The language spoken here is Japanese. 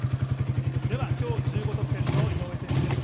では今日１５得点の井上選手です。